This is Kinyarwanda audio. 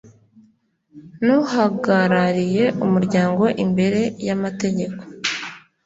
n uhagarariye umuryango imbere y amategeko